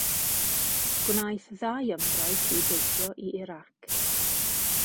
Gwnaeth ddau ymgais i deithio i Irac.